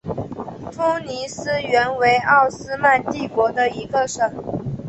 突尼斯原为奥斯曼帝国的一个省。